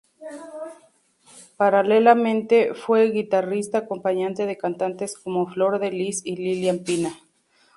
Paralelamente fue guitarrista acompañante de cantantes como Flor de Lis y Lilian Pina.